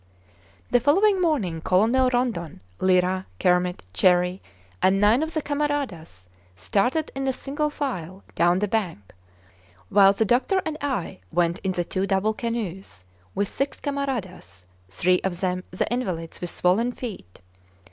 The following morning Colonel Rondon, Lyra, Kermit, Cherrie, and nine of the camaradas started in single file down the bank, while the doctor and I went in the two double canoes, with six camaradas, three of them the invalids with swollen feet.